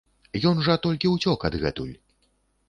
Ён жа толькі ўцёк адгэтуль!